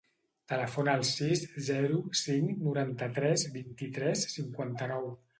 Telefona al sis, zero, cinc, noranta-tres, vint-i-tres, cinquanta-nou.